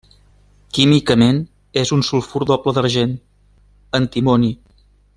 Químicament és un sulfur doble d'argent, antimoni.